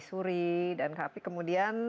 suri dan kemudian